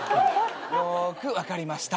よく分かりました。